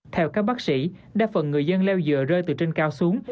theo các bác sĩ đa phần người dân leo dừa rơi từ trên cao xuống